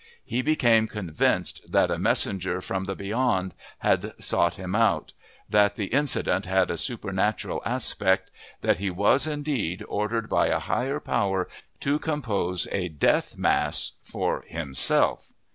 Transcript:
He became convinced that a messenger from the Beyond had sought him out, that the incident had a supernatural aspect, that he was, indeed, ordered by a higher power to compose a death mass for himself!